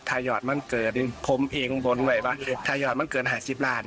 ทายอดมั่นเกินผมเองบนไว้ว่าทายอดมั่นเกินหาสิบล้าน